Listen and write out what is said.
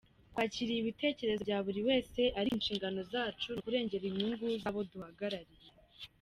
Twakiriye ibitekerezo bya buri wese ariko inshingano zacu ni ukurengera inyungu z’abo duhagarariye.